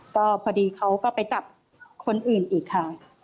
ก็พอดีเขาก็ไปจับคนอื่นอีกค่ะ